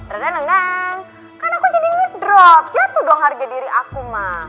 radenengang kan aku jadi mid drop jatuh dong harga diri aku ma